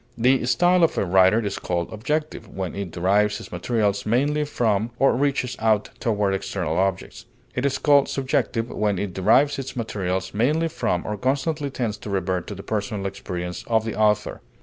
The style of a writer is called objective when it derives its materials mainly from or reaches out toward external objects; it is called subjective when it derives its materials mainly from or constantly tends to revert to the personal experience of the author.